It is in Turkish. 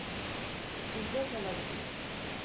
Sizde kalabilir.